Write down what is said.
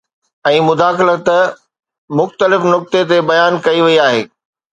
۽ مداخلت مختلف نقطي تي بيان ڪئي وئي آهي